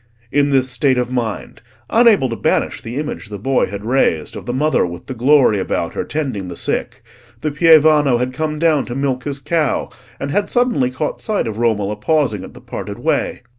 In this state of mind—unable to banish the image the boy had raised of the Mother with the glory about her tending the sick—the pievano had come down to milk his cow, and had suddenly caught sight of Romola pausing at the parted way.